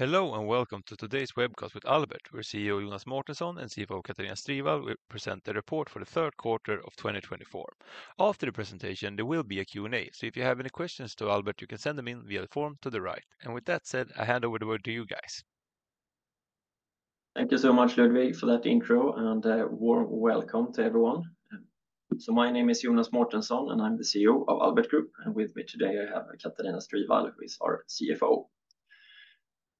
Hello and welcome to today's webcast with Albert. We're CEO Jonas Mårtensson and CFO Katarina Stridvall. We present the report for the third quarter of 2024. After the presentation, there will be a Q&A, so if you have any questions to Albert, you can send them in via the form to the right, and with that said, I hand over the word to you guys. Thank you so much, Ludwig, for that intro and a warm welcome to everyone. So my name is Jonas Mårtensson and I'm the CEO of Albert Group, and with me today I have Katarina Stridvall, who is our CFO.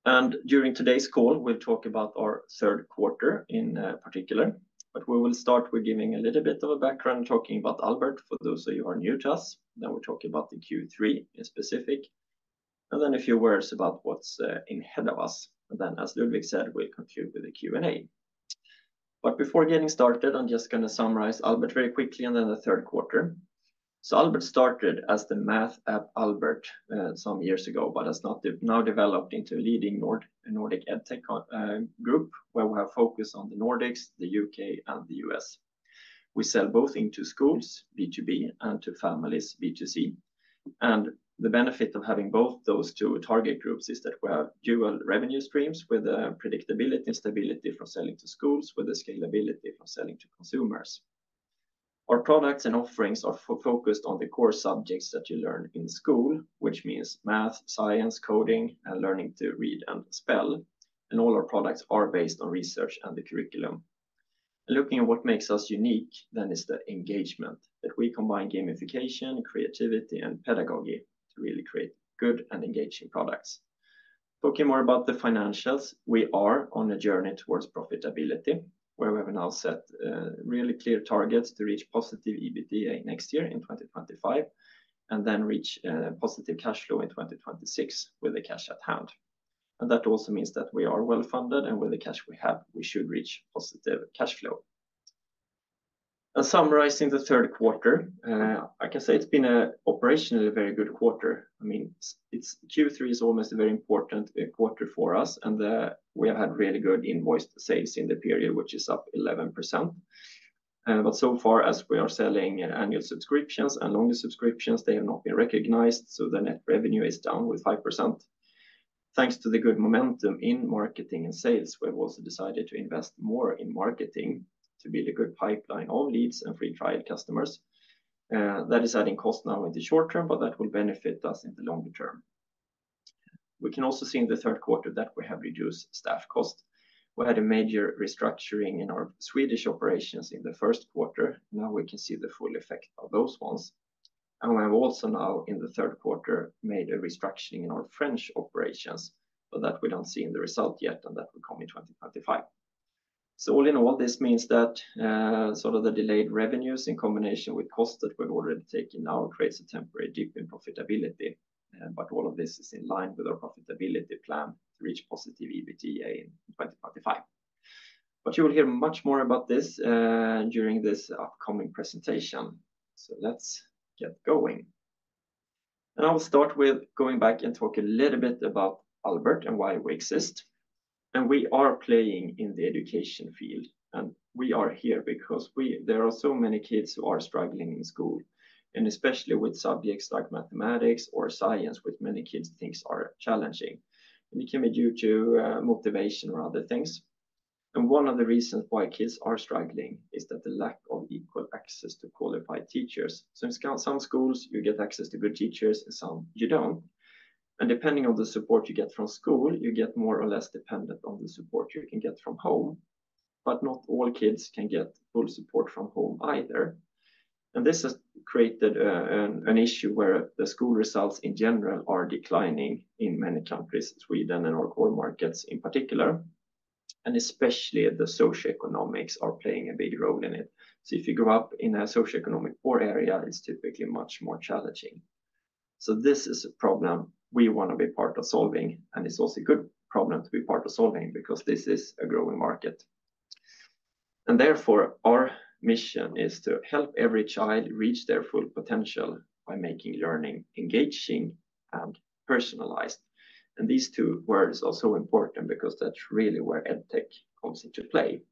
And during today's call, we'll talk about our third quarter in particular, but we will start with giving a little bit of a background, talking about Albert for those of you who are new to us. Then we'll talk about the Q3 in specific, and then a few words about what's in ahead of us. And then, as Ludwig said, we'll conclude with a Q&A. But before getting started, I'm just going to summarize Albert very quickly and then the third quarter. So Albert started as the Math App Albert some years ago, but has now developed into a leading Nordic EdTech group where we have focus on the Nordics, the U.K., and the U.S. We sell both into schools B2B and to families B2C. And the benefit of having both those two target groups is that we have dual revenue streams with predictability and stability from selling to schools, with the scalability from selling to consumers. Our products and offerings are focused on the core subjects that you learn in school, which means math, science, coding, and learning to read and spell. And all our products are based on research and the curriculum. And looking at what makes us unique, then is the engagement that we combine gamification, creativity, and pedagogy to really create good and engaging products. Talking more about the financials, we are on a journey towards profitability, where we have now set really clear targets to reach positive EBITDA next year in 2025, and then reach positive cash flow in 2026 with the cash at hand, and that also means that we are well funded, and with the cash we have, we should reach positive cash flow, and summarizing the third quarter, I can say it's been an operationally very good quarter. I mean, Q3 is almost a very important quarter for us, and we have had really good invoiced sales in the period, which is up 11%, but so far, as we are selling annual subscriptions and longer subscriptions, they have not been recognized, so the net revenue is down with 5%. Thanks to the good momentum in marketing and sales, we have also decided to invest more in marketing to build a good pipeline of leads and free trial customers. That is adding cost now in the short term, but that will benefit us in the longer term. We can also see in the third quarter that we have reduced staff cost. We had a major restructuring in our Swedish operations in the first quarter. Now we can see the full effect of those ones. And we have also now, in the third quarter, made a restructuring in our French operations, but that we don't see in the result yet, and that will come in 2025. So all in all, this means that sort of the delayed revenues in combination with costs that we've already taken now creates a temporary dip in profitability. But all of this is in line with our profitability plan to reach positive EBITDA in 2025, but you will hear much more about this during this upcoming presentation, so let's get going, and I will start with going back and talk a little bit about Albert and why we exist, and we are playing in the education field, and we are here because there are so many kids who are struggling in school, and especially with subjects like mathematics or science, with many kids things are challenging, and it can be due to motivation or other things, and one of the reasons why kids are struggling is that the lack of equal access to qualified teachers, so in some schools, you get access to good teachers. In some, you don't. Depending on the support you get from school, you get more or less dependent on the support you can get from home. Not all kids can get full support from home either. This has created an issue where the school results in general are declining in many countries, Sweden and our core markets in particular. Especially the socioeconomics are playing a big role in it. If you grow up in a socioeconomic poor area, it's typically much more challenging. This is a problem we want to be part of solving, and it's also a good problem to be part of solving because this is a growing market. Therefore, our mission is to help every child reach their full potential by making learning engaging and personalized. These two words are so important because that's really where EdTech comes into play.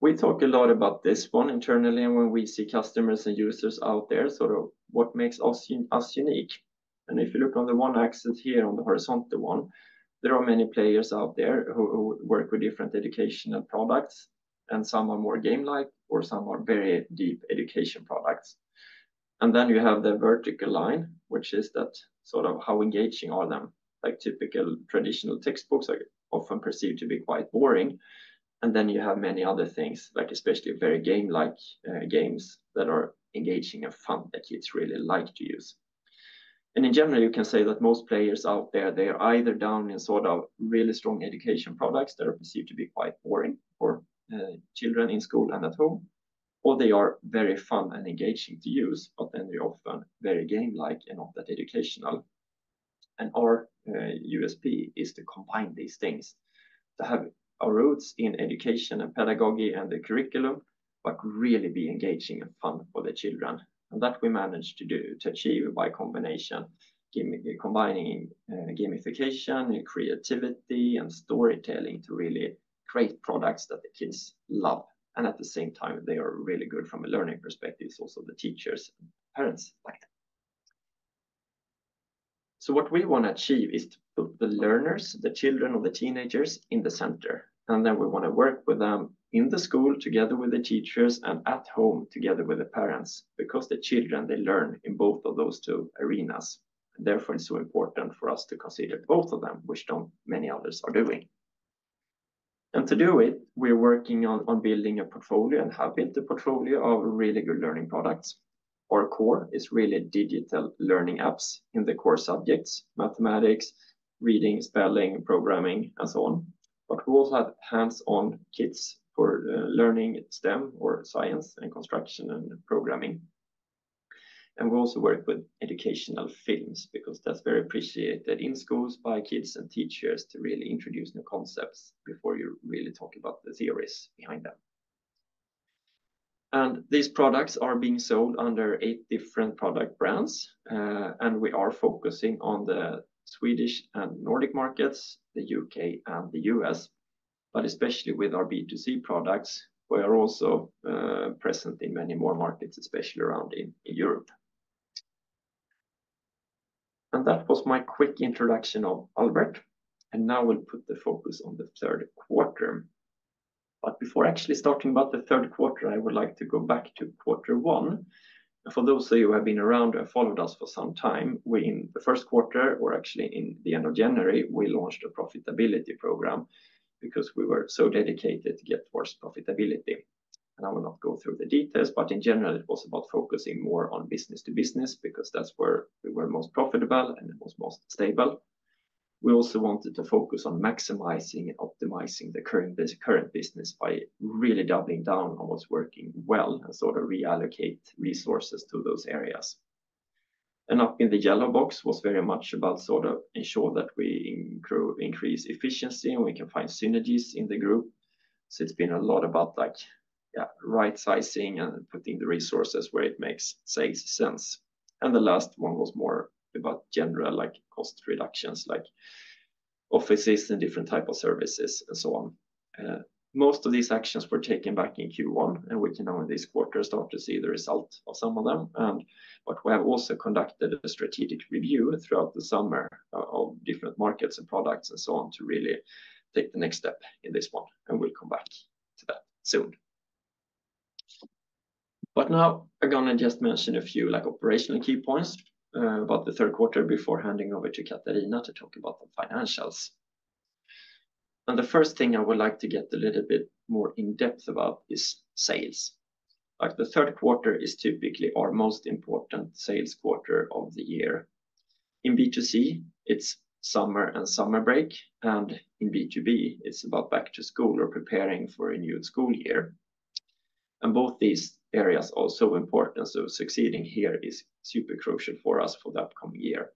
We talk a lot about this one internally, and when we see customers and users out there, sort of what makes us unique. And if you look on the one axis here on the horizontal one, there are many players out there who work with different educational products, and some are more game-like, or some are very deep education products. And then you have the vertical line, which is that sort of how engaging they are. Like typical traditional textbooks are often perceived to be quite boring. And then you have many other things, like especially very game-like games that are engaging and fun that kids really like to use. In general, you can say that most players out there, they are either down in sort of really strong education products that are perceived to be quite boring for children in school and at home, or they are very fun and engaging to use, but then they're often very game-like and not that educational. And our USP is to combine these things that have our roots in education and pedagogy and the curriculum, but really be engaging and fun for the children. And that we managed to do to achieve by combining gamification and creativity and storytelling to really create products that the kids love. And at the same time, they are really good from a learning perspective. It's also the teachers and parents like them. So what we want to achieve is to put the learners, the children or the teenagers in the center. And then we want to work with them in the school together with the teachers and at home together with the parents because the children, they learn in both of those two arenas. Therefore, it's so important for us to consider both of them, which not many others are doing. And to do it, we're working on building a portfolio and have built a portfolio of really good learning products. Our core is really digital learning apps in the core subjects: mathematics, reading, spelling, programming, and so on. But we also have hands-on kits for learning STEM or science and construction and programming. And we also work with educational films because that's very appreciated in schools by kids and teachers to really introduce new concepts before you really talk about the theories behind them. These products are being sold under eight different product brands, and we are focusing on the Swedish and Nordic markets, the U.K. and the U.S. But especially with our B2C products, we are also present in many more markets, especially around in Europe. That was my quick introduction of Albert, and now we'll put the focus on the third quarter. But before actually starting about the third quarter, I would like to go back to quarter one. For those of you who have been around and followed us for some time, we in the first quarter, or actually in the end of January, we launched a profitability program because we were so dedicated to get towards profitability. I will not go through the details, but in general, it was about focusing more on business to business because that's where we were most profitable and it was most stable. We also wanted to focus on maximizing and optimizing the current business by really doubling down on what's working well and sort of reallocate resources to those areas. Up in the yellow box was very much about sort of ensure that we increase efficiency and we can find synergies in the group. It's been a lot about like right sizing and putting the resources where it makes sense. The last one was more about general like cost reductions, like offices and different types of services and so on. Most of these actions were taken back in Q1, and we can now in this quarter start to see the result of some of them. But we have also conducted a strategic review throughout the summer of different markets and products and so on to really take the next step in this one. We'll come back to that soon. Now I'm going to just mention a few like operational key points about the third quarter before handing over to Katarina to talk about the financials. The first thing I would like to get a little bit more in depth about is sales. The third quarter is typically our most important sales quarter of the year. In B2C, it's summer and summer break, and in B2B, it's about back to school or preparing for a new school year. Both these areas are also important, so succeeding here is super crucial for us for the upcoming year.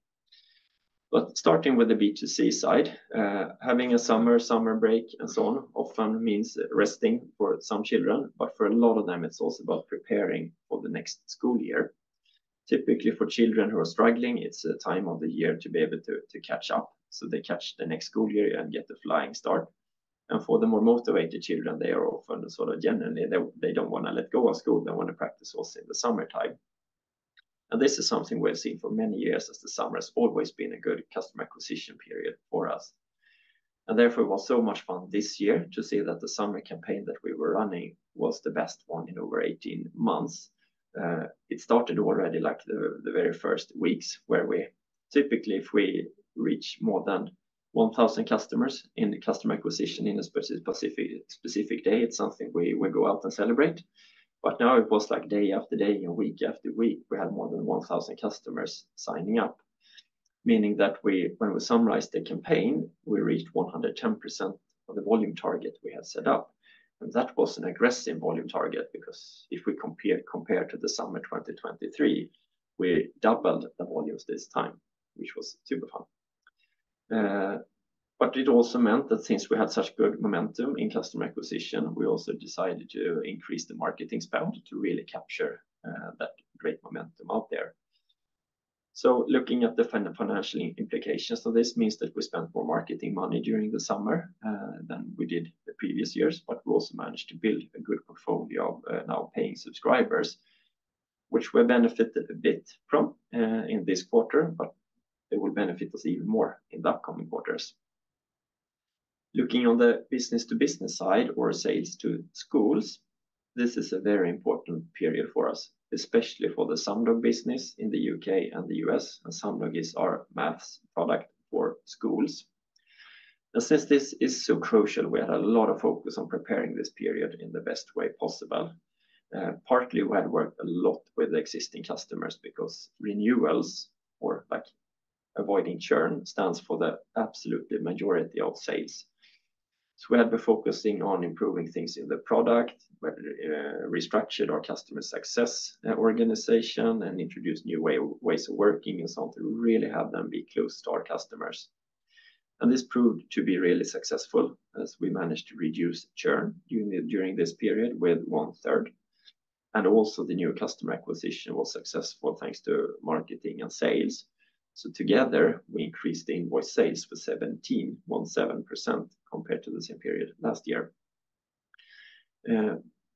But starting with the B2C side, having a summer break, and so on often means resting for some children, but for a lot of them, it's also about preparing for the next school year. Typically, for children who are struggling, it's a time of the year to be able to catch up, so they catch the next school year and get a flying start. And for the more motivated children, they are often sort of generally, they don't want to let go of school. They want to practice also in the summertime. And this is something we've seen for many years as the summer has always been a good customer acquisition period for us. And therefore, it was so much fun this year to see that the summer campaign that we were running was the best one in over 18 months. It started already like the very first weeks where we typically, if we reach more than 1,000 customers in the customer acquisition in a specific day, it's something we go out and celebrate. But now it was like day after day and week after week, we had more than 1,000 customers signing up, meaning that when we summarized the campaign, we reached 110% of the volume target we had set up. And that was an aggressive volume target because if we compare to the summer 2023, we doubled the volumes this time, which was super fun. But it also meant that since we had such good momentum in customer acquisition, we also decided to increase the marketing spend to really capture that great momentum out there. So looking at the financial implications of this means that we spent more marketing money during the summer than we did the previous years, but we also managed to build a good portfolio of now paying subscribers, which we benefited a bit from in this quarter, but it will benefit us even more in the upcoming quarters. Looking on the business to business side or sales to schools, this is a very important period for us, especially for the Sumdog business in the U.K. and the U.S., and Sumdog is our math product for schools. Now, since this is so crucial, we had a lot of focus on preparing this period in the best way possible. Partly, we had worked a lot with existing customers because renewals or like avoiding churn stands for the absolute majority of sales. So we had been focusing on improving things in the product, restructured our customer success organization, and introduced new ways of working and something really have them be close to our customers. And this proved to be really successful as we managed to reduce churn during this period with one third. And also the new customer acquisition was successful thanks to marketing and sales. So together, we increased the invoiced sales for 17.17% compared to the same period last year.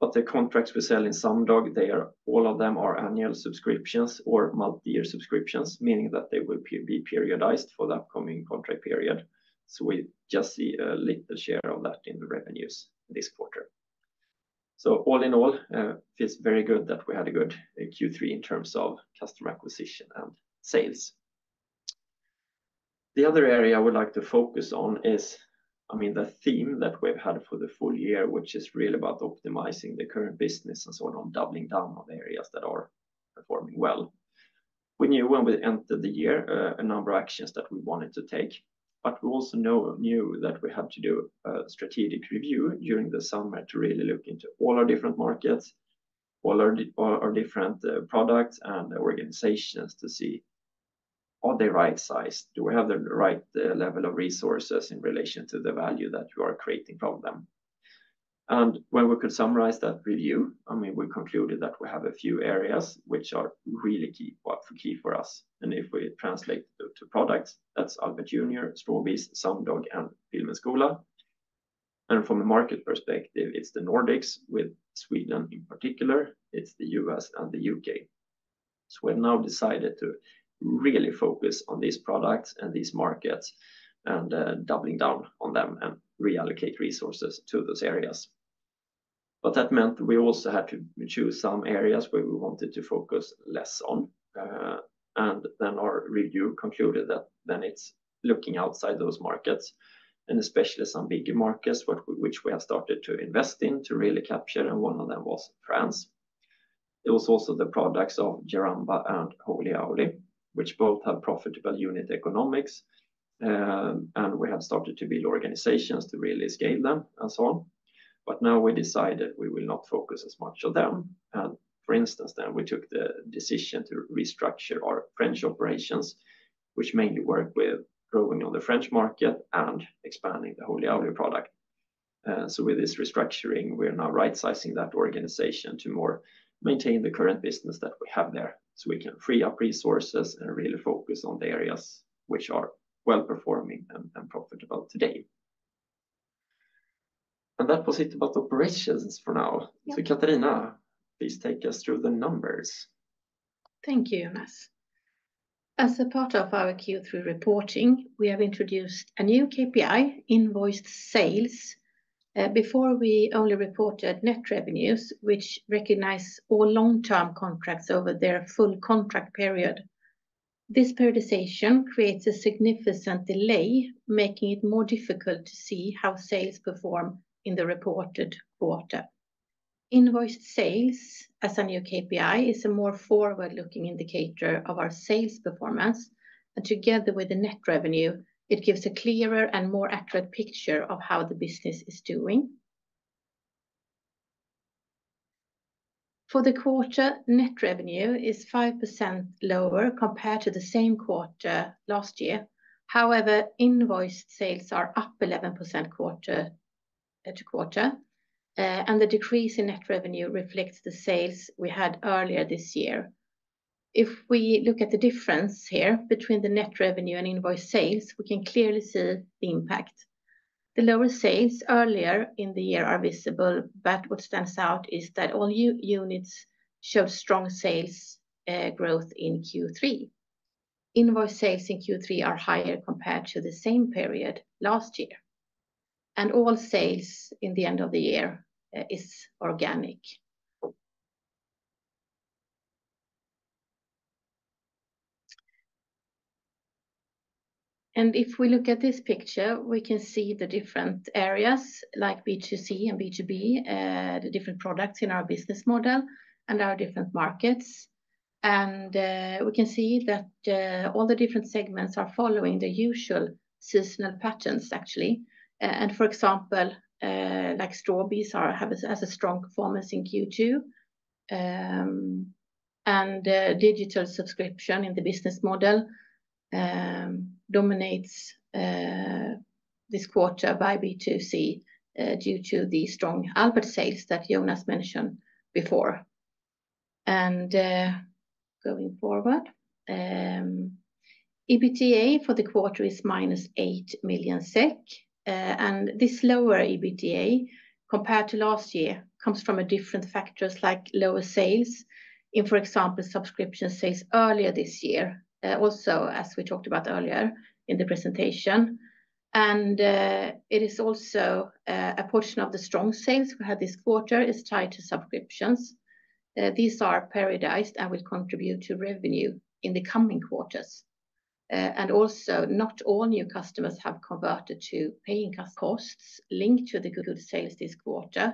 But the contracts we sell in Sumdog, all of them are annual subscriptions or multi-year subscriptions, meaning that they will be periodized for the upcoming contract period. So we just see a little share of that in the revenues this quarter. So all in all, it feels very good that we had a good Q3 in terms of customer acquisition and sales. The other area I would like to focus on is, I mean, the theme that we've had for the full year, which is really about optimizing the current business and sort of doubling down on areas that are performing well. We knew when we entered the year a number of actions that we wanted to take, but we also knew that we had to do a strategic review during the summer to really look into all our different markets, all our different products and organizations to see are they right sized? Do we have the right level of resources in relation to the value that we are creating from them? And when we could summarize that review, I mean, we concluded that we have a few areas which are really key for us. And if we translate to products, that's Albert Junior, Strawbees, Sumdog, and Film & School. And from a market perspective, it's the Nordics with Sweden in particular. It's the U.S. and the U.K. So we've now decided to really focus on these products and these markets and doubling down on them and reallocate resources to those areas. But that meant we also had to choose some areas where we wanted to focus less on. And then our review concluded that then it's looking outside those markets and especially some bigger markets, which we have started to invest in to really capture. And one of them was France. It was also the products of Jaramba and Holy Owly, which both have profitable unit economics. And we have started to build organizations to really scale them and so on. But now we decided we will not focus as much on them. For instance, then we took the decision to restructure our French operations, which mainly work with growing on the French market and expanding the Holy Owly product. With this restructuring, we're now right-sizing that organization to more maintain the current business that we have there so we can free up resources and really focus on the areas which are well performing and profitable today. That was it about operations for now. Katarina, please take us through the numbers. Thank you, Jonas. As a part of our Q3 reporting, we have introduced a new KPI, invoiced sales. Before, we only reported net revenues, which recognize all long-term contracts over their full contract period. This periodization creates a significant delay, making it more difficult to see how sales perform in the reported quarter. Invoiced sales as a new KPI is a more forward-looking indicator of our sales performance. Together with the net revenue, it gives a clearer and more accurate picture of how the business is doing. For the quarter, net revenue is 5% lower compared to the same quarter last year. However, invoiced sales are up 11% quarter to quarter. The decrease in net revenue reflects the sales we had earlier this year. If we look at the difference here between the net revenue and invoiced sales, we can clearly see the impact. The lower sales earlier in the year are visible, but what stands out is that all units show strong sales growth in Q3. Invoiced sales in Q3 are higher compared to the same period last year. All sales in the end of the year is organic. If we look at this picture, we can see the different areas like B2C and B2B, the different products in our business model and our different markets. We can see that all the different segments are following the usual seasonal patterns, actually. For example, like Strawbees has a strong performance in Q2. Digital subscription in the business model dominates this quarter by B2C due to the strong Albert sales that Jonas mentioned before. Going forward, EBITDA for the quarter is -8 million SEK. This lower EBITDA compared to last year comes from different factors like lower sales in, for example, subscription sales earlier this year, also as we talked about earlier in the presentation. It is also a portion of the strong sales we had this quarter is tied to subscriptions. These are periodized and will contribute to revenue in the coming quarters. And also, not all new customers have converted to paying customers. Costs linked to the good sales this quarter.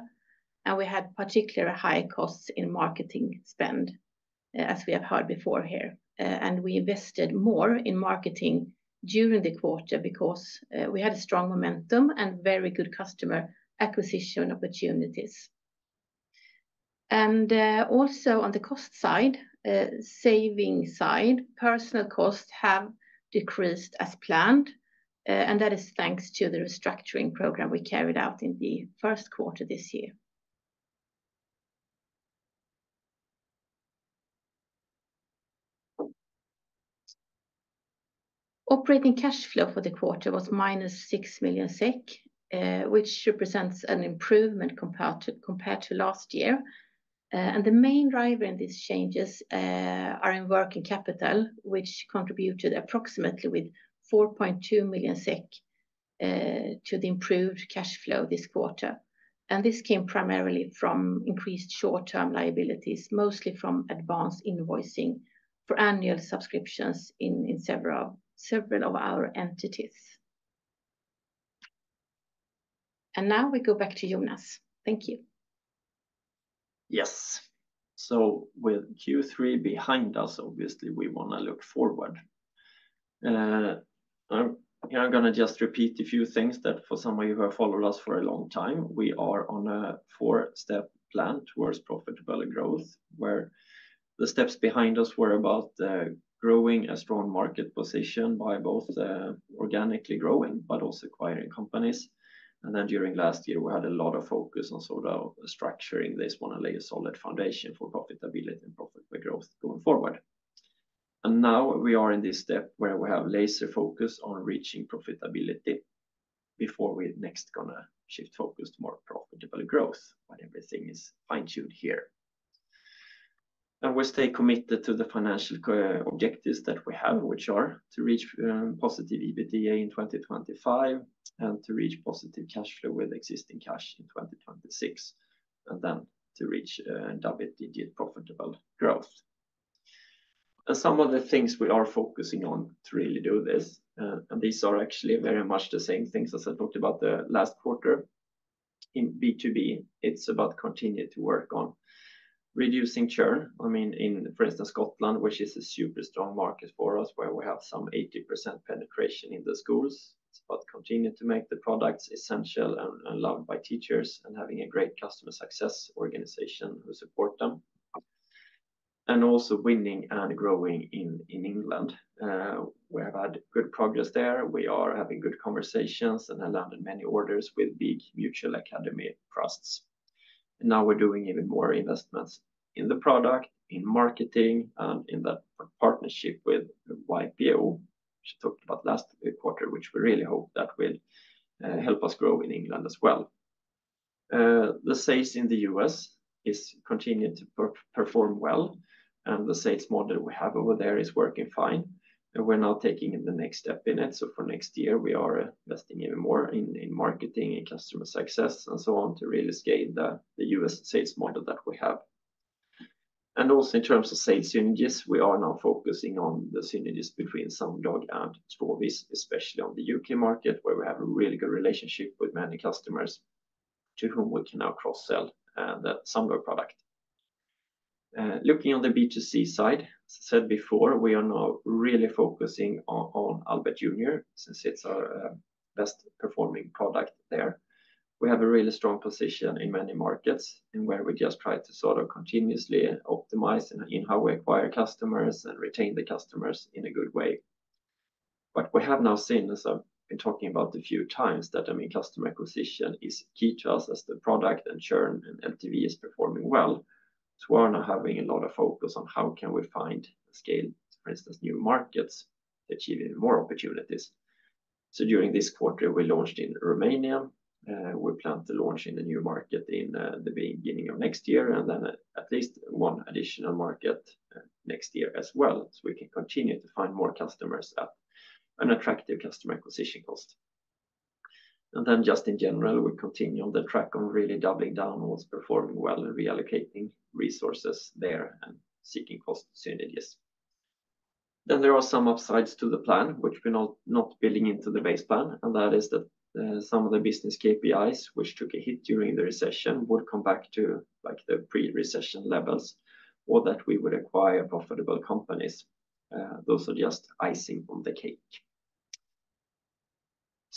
And we had particularly high costs in marketing spend, as we have heard before here. And we invested more in marketing during the quarter because we had a strong momentum and very good customer acquisition opportunities. And also on the cost side, saving side, personnel costs have decreased as planned. And that is thanks to the restructuring program we carried out in the first quarter this year. Operating cash flow for the quarter was -6 million SEK, which represents an improvement compared to last year. And the main driver in these changes are in working capital, which contributed approximately with 4.2 million SEK to the improved cash flow this quarter. This came primarily from increased short-term liabilities, mostly from advanced invoicing for annual subscriptions in several of our entities. Now we go back to Jonas. Thank you. Yes. With Q3 behind us, obviously, we want to look forward. I'm going to just repeat a few things that for some of you who have followed us for a long time, we are on a four-step plan towards profitable growth, where the steps behind us were about growing a strong market position by both organically growing, but also acquiring companies. During last year, we had a lot of focus on sort of structuring this one and lay a solid foundation for profitability and profitable growth going forward. And now we are in this step where we have laser focus on reaching profitability before we're next going to shift focus to more profitable growth when everything is fine-tuned here. And we stay committed to the financial objectives that we have, which are to reach positive EBITDA in 2025 and to reach positive cash flow with existing cash in 2026, and then to reach double-digit profitable growth. And some of the things we are focusing on to really do this, and these are actually very much the same things as I talked about the last quarter. In B2B, it's about continuing to work on reducing churn. I mean, in, for instance, Scotland, which is a super strong market for us, where we have some 80% penetration in the schools. It's about continuing to make the products essential and loved by teachers and having a great customer success organization who support them, and also winning and growing in England. We have had good progress there. We are having good conversations and have landed many orders with big multi-academy trusts, and now we're doing even more investments in the product, in marketing, and in that partnership with YPO, which I talked about last quarter, which we really hope that will help us grow in England as well. The sales in the U.S. is continuing to perform well, and the sales model we have over there is working fine, and we're now taking the next step in it, so for next year, we are investing even more in marketing, in customer success, and so on to really scale the U.S. sales model that we have. And also in terms of sales synergies, we are now focusing on the synergies between Sumdog and Strawbees, especially on the UK market, where we have a really good relationship with many customers to whom we can now cross-sell the Sumdog product. Looking on the B2C side, as I said before, we are now really focusing on Albert Junior since it's our best performing product there. We have a really strong position in many markets and where we just try to sort of continuously optimize and in how we acquire customers and retain the customers in a good way. But what we have now seen, as I've been talking about a few times, that I mean, customer acquisition is key to us as the product and churn and LTV is performing well. So we're now having a lot of focus on how can we find and scale, for instance, new markets, achieving more opportunities. So during this quarter, we launched in Romania. We plan to launch in the new market in the beginning of next year and then at least one additional market next year as well so we can continue to find more customers at an attractive customer acquisition cost. And then just in general, we continue on the track of really doubling down on what's performing well and reallocating resources there and seeking cost synergies. Then there are some upsides to the plan, which we're not building into the base plan, and that is that some of the business KPIs, which took a hit during the recession, would come back to like the pre-recession levels or that we would acquire profitable companies. Those are just icing on the cake.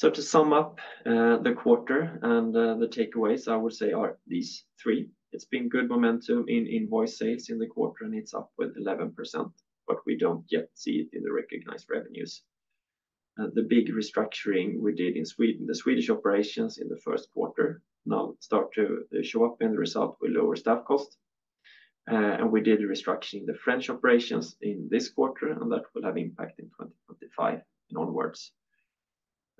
To sum up the quarter and the takeaways, I would say are these three. It's been good momentum in invoiced sales in the quarter, and it's up with 11%, but we don't yet see it in the recognized revenues. The big restructuring we did in Sweden, the Swedish operations in the first quarter now start to show up in the result with lower staff cost, and we did restructuring the French operations in this quarter, and that will have impact in 2025 and onwards.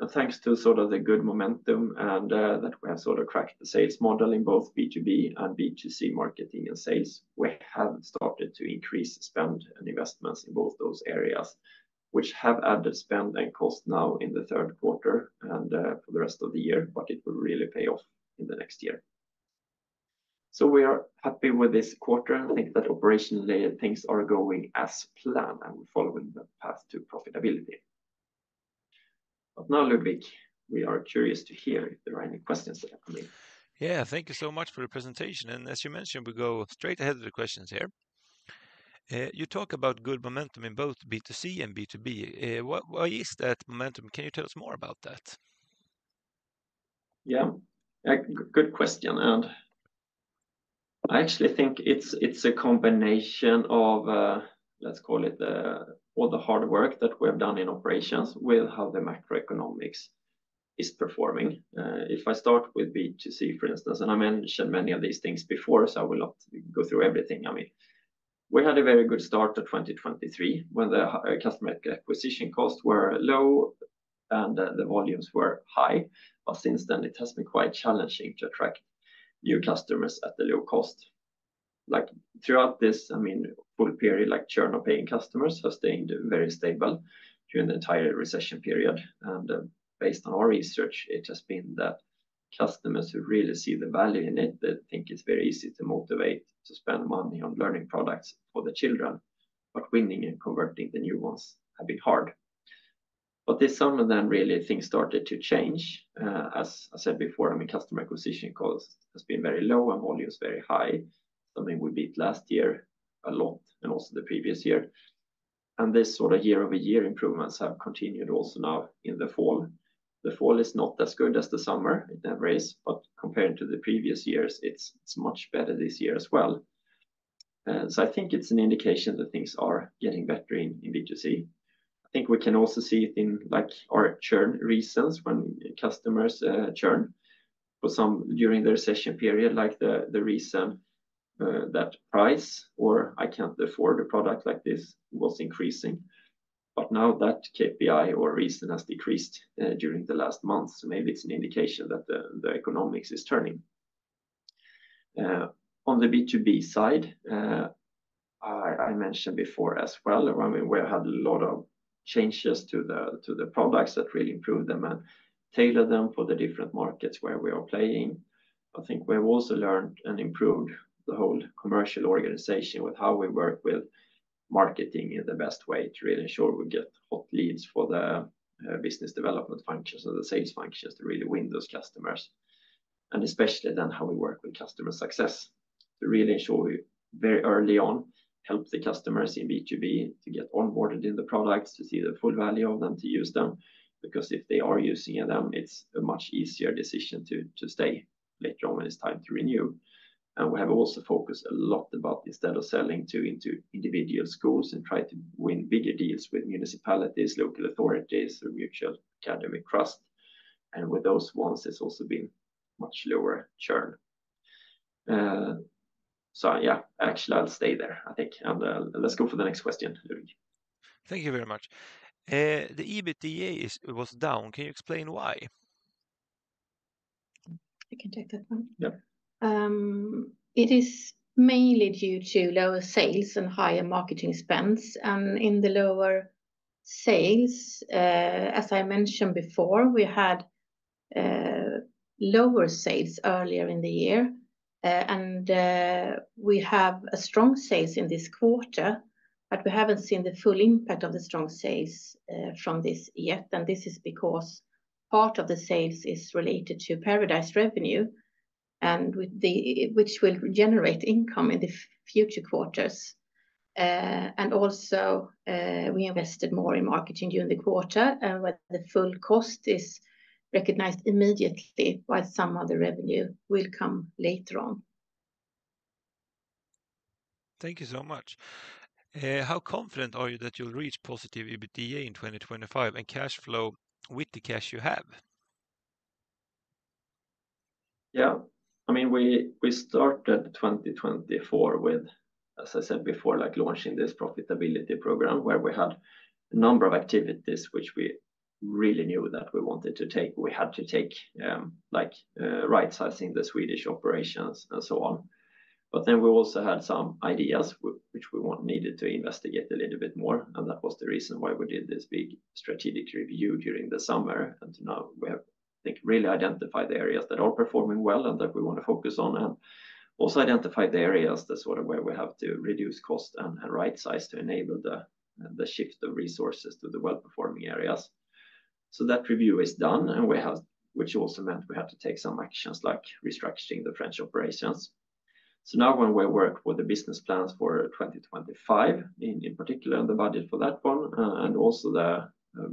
Thanks to sort of the good momentum and that we have sort of cracked the sales model in both B2B and B2C marketing and sales, we have started to increase spend and investments in both those areas, which have added spend and cost now in the third quarter and for the rest of the year, but it will really pay off in the next year. We are happy with this quarter. I think that operationally things are going as planned and we're following the path to profitability. Now, Ludwig, we are curious to hear if there are any questions that are coming. Yeah, thank you so much for the presentation. As you mentioned, we go straight ahead to the questions here. You talk about good momentum in both B2C and B2B. Why is that momentum? Can you tell us more about that? Yeah, good question. I actually think it's a combination of, let's call it all the hard work that we have done in operations with how the macroeconomics is performing. If I start with B2C, for instance, and I mentioned many of these things before, so I will not go through everything. I mean, we had a very good start to 2023 when the customer acquisition costs were low and the volumes were high. But since then, it has been quite challenging to attract new customers at a low cost. Like throughout this, I mean, full period, like churn of paying customers has stayed very stable during the entire recession period. Based on our research, it has been that customers who really see the value in it, they think it's very easy to motivate to spend money on learning products for the children. But winning and converting the new ones have been hard. But this summer then really things started to change. As I said before, I mean, customer acquisition costs have been very low and volumes very high. I mean, we beat last year a lot and also the previous year. And this sort of year-over-year improvements have continued also now in the fall. The fall is not as good as the summer in that race, but compared to the previous years, it's much better this year as well. So I think it's an indication that things are getting better in B2C. I think we can also see it in like our churn reasons when customers churn for some during the recession period, like the reason that price or I can't afford a product like this was increasing. But now that KPI or reason has decreased during the last month. So maybe it's an indication that the economics is turning. On the B2B side, I mentioned before as well, I mean, we had a lot of changes to the products that really improved them and tailored them for the different markets where we are playing. I think we have also learned and improved the whole commercial organization with how we work with marketing in the best way to really ensure we get hot leads for the business development functions and the sales functions to really win those customers. And especially then how we work with customer success to really ensure we very early on help the customers in B2B to get onboarded in the products, to see the full value of them, to use them. Because if they are using them, it's a much easier decision to stay later on when it's time to renew. We have also focused a lot about instead of selling to individual schools and try to win bigger deals with municipalities, local authorities, or multi-academy trusts. With those ones, it's also been much lower churn. Yeah, actually, I'll stay there, I think. Let's go for the next question, Ludwig. Thank you very much. The EBITDA was down. Can you explain why? You can take that one. It is mainly due to lower sales and higher marketing spends. In the lower sales, as I mentioned before, we had lower sales earlier in the year. We have a strong sales in this quarter, but we haven't seen the full impact of the strong sales from this yet. This is because part of the sales is related to periodized revenue, which will generate income in the future quarters. And also we invested more in marketing during the quarter, and the full cost is recognized immediately, while some of the revenue will come later on. Thank you so much. How confident are you that you'll reach positive EBITDA in 2025 and cash flow with the cash you have? Yeah, I mean, we started 2024 with, as I said before, like launching this profitability program where we had a number of activities which we really knew that we wanted to take. We had to take like right-sizing the Swedish operations and so on. But then we also had some ideas which we needed to investigate a little bit more. And that was the reason why we did this big strategic review during the summer. Now we have, I think, really identified the areas that are performing well and that we want to focus on and also identified the areas that sort of, where we have to reduce cost and right-size to enable the shift of resources to the well-performing areas. So that review is done, and we have, which also meant we had to take some actions like restructuring the French operations. Now when we work with the business plans for 2025, in particular the budget for that one and also the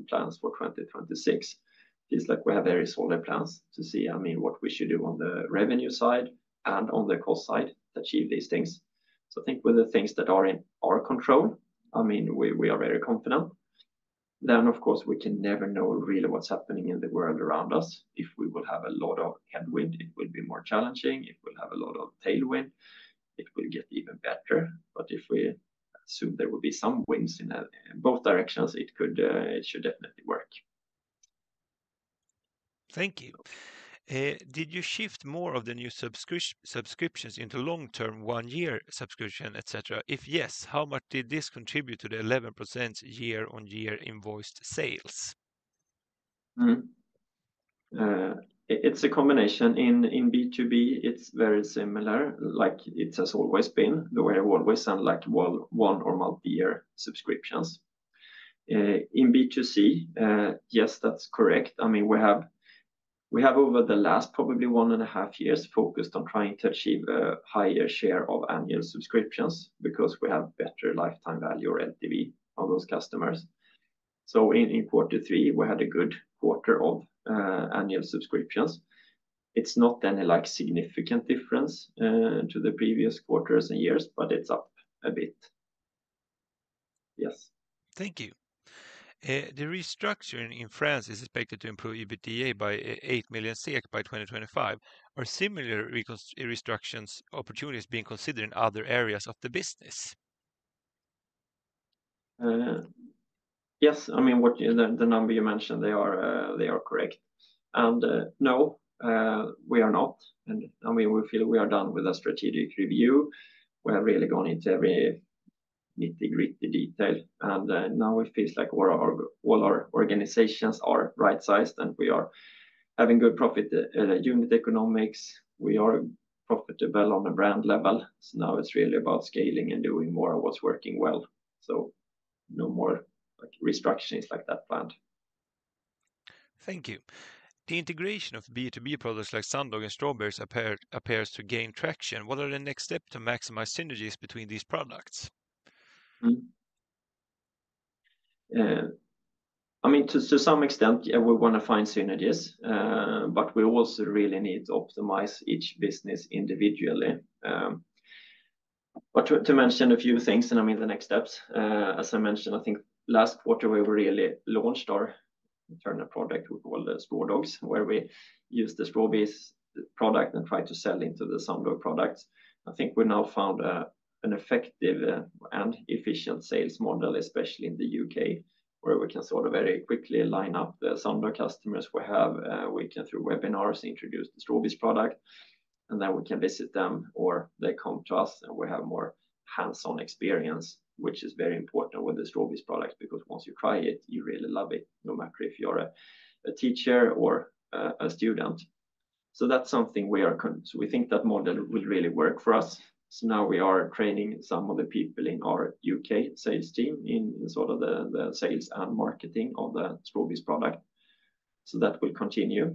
plans for 2026, it's like we have very solid plans to see, I mean, what we should do on the revenue side and on the cost side to achieve these things. So I think with the things that are in our control, I mean, we are very confident. Then, of course, we can never know really what's happening in the world around us. If we will have a lot of headwind, it will be more challenging. It will have a lot of tailwind. It will get even better. But if we assume there will be some wins in both directions, it should definitely work. Thank you. Did you shift more of the new subscriptions into long-term one-year subscription, etc.? If yes, how much did this contribute to the 11% year-on-year invoiced sales? It's a combination. In B2B, it's very similar. Like it has always been the way it always sounds like one or multi-year subscriptions. In B2C, yes, that's correct. I mean, we have over the last probably one and a half years focused on trying to achieve a higher share of annual subscriptions because we have better lifetime value or LTV on those customers. So in quarter three, we had a good quarter of annual subscriptions. It's not any like significant difference to the previous quarters and years, but it's up a bit. Yes. Thank you. The restructuring in France is expected to improve EBITDA by 8 million SEK by 2025. Are similar restructuring opportunities being considered in other areas of the business? Yes. I mean, the number you mentioned, they are correct. And no, we are not. And I mean, we feel we are done with the strategic review. We have really gone into every nitty-gritty detail. And now it feels like all our organizations are right-sized and we are having good profit unit economics. We are profitable on a brand level. So now it's really about scaling and doing more of what's working well. So no more restructuring like that planned. Thank you. The integration of B2B products like Sumdog and Strawbees appears to gain traction. What are the next steps to maximize synergies between these products? I mean, to some extent, we want to find synergies, but we also really need to optimize each business individually. But to mention a few things and I mean the next steps. As I mentioned, I think last quarter we really launched our internal product we call the Straw Dogs, where we use the Strawbees product and try to sell into the Sumdog products. I think we now found an effective and efficient sales model, especially in the U.K., where we can sort of very quickly line up the Sumdog customers we have. We can, through webinars, introduce the Strawbees product, and then we can visit them or they come to us and we have more hands-on experience, which is very important with the Strawbees products because once you try it, you really love it, no matter if you're a teacher or a student. So that's something we are concerned about. So we think that model will really work for us. So now we are training some of the people in our U.K. sales team in sort of the sales and marketing of the Strawbees product. So that will continue.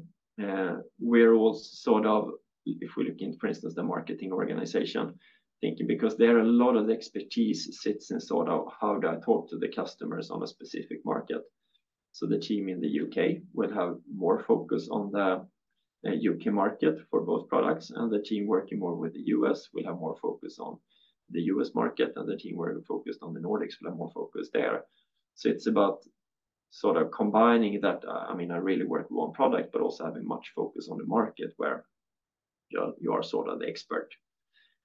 We're also sort of, if we look into, for instance, the marketing organization, thinking because there are a lot of expertise sits in sort of how to talk to the customers on a specific market. So the team in the U.K. will have more focus on the UK market for both products, and the team working more with the U.S. will have more focus on the US market, and the team working focused on the Nordics will have more focus there. So it's about sort of combining that. I mean, I really work with one product, but also having much focus on the market where you are sort of the expert.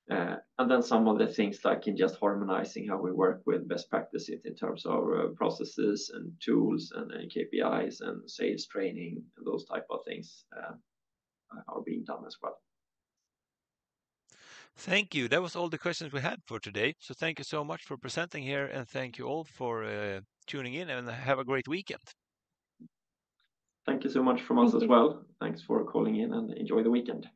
And then some of the things like in just harmonizing how we work with best practices in terms of processes and tools and KPIs and sales training and those type of things are being done as well. Thank you. That was all the questions we had for today. So thank you so much for presenting here, and thank you all for tuning in, and have a great weekend. Thank you so much from us as well. Thanks for calling in, and enjoy the weekend.